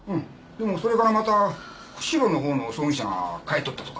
でもそれからまた釧路の方の葬儀社が買い取ったとか。